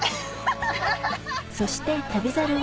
そして『旅猿』は